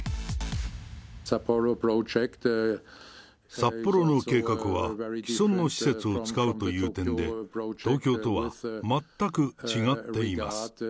札幌の計画は、既存の施設を使うという点で、東京とは全く違っています。